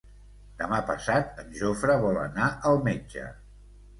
Demà passat en Jofre vol anar al metge.